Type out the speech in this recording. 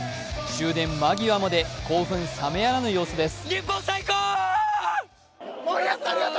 終電間際まで興奮冷めやらぬ様子です。